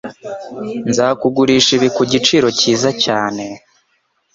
Nzakugurisha ibi ku giciro cyiza cyane.